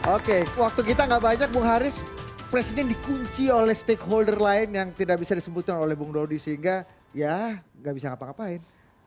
oke waktu kita gak banyak bung haris presiden dikunci oleh stakeholder lain yang tidak bisa disebutkan oleh bung dodi sehingga ya nggak bisa ngapa ngapain